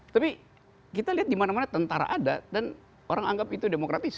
tapi kita lihat dimana mana tentara ada dan orang anggap itu demokratis